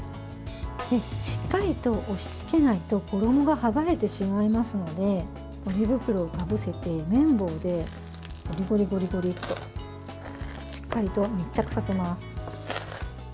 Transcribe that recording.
しっかりと押しつけないと衣が剥がれてしまいますのでポリ袋にかぶせて麺棒でゴリゴリゴリゴリッとしっかりと密着させます。